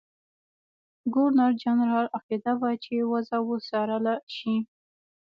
ګورنرجنرال عقیده وه چې وضع وڅارله شي.